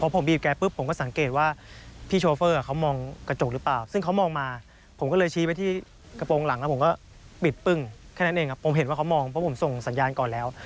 ผมเห็นว่าเขามองเพราะผมส่งสัญญาก่อนแล้ว